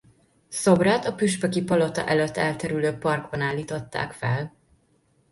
Szobrát a püspöki palota előtt elterülő parkban állították fel.